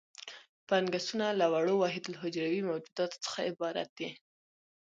فنګسونه له وړو وحیدالحجروي موجوداتو څخه عبارت دي.